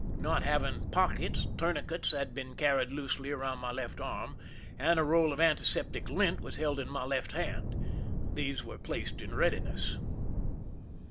Not hav ing pockets, tourniquets had been carried loosely around my left arm, and a roll of antiseptic lint was held in my left hand. These were placed in readiness.